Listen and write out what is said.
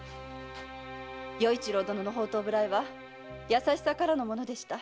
与一郎殿の放蕩無頼は優しさからのものでした。